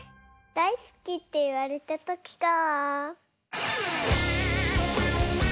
「だいすき」っていわれたときか。